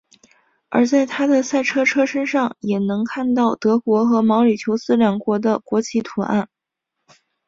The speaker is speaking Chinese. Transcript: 而在他的赛车车身上也能看到德国和毛里求斯两国的国旗图案。